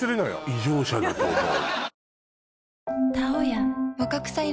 異常者だと思う。